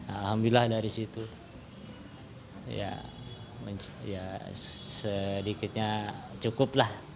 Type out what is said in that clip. alhamdulillah dari situ ya sedikitnya cukup lah